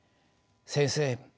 先生